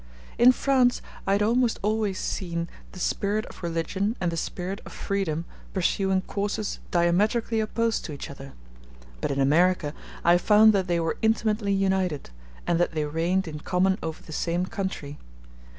In France I had almost always seen the spirit of religion and the spirit of freedom pursuing courses diametrically opposed to each other; but in America I found that they were intimately united, and that they reigned in common over the same country.